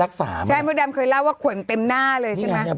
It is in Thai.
รักษาไหมใช่เมื่อเดิมเคยเล่าว่าขวนเต็มหน้าเลยใช่ไหมนี่ไงเนี้ย